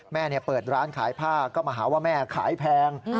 เปิดร้านขายผ้าก็มาหาว่าแม่ขายแพง